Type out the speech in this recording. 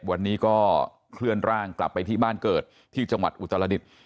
วันนี้ก็เคลื่อนร่างกลับไปที่บ้านเกิดที่จังหวัดอุตรดิษฐ์